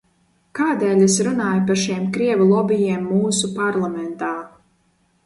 Kādēļ es runāju par šiem krievu lobijiem mūsu parlamentā?